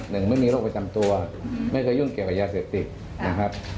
หนึ่งไม่มีโรคประจำตัวไม่เคยยุ่งเกี่ยวกับยาเสพติดนะครับ